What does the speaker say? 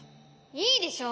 いいでしょ！